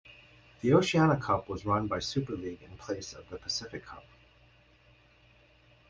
The Oceania Cup was run by Super League in place of the Pacific Cup.